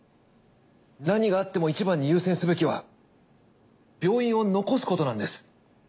何があっても一番に優先すべきは病院を残すことなんです。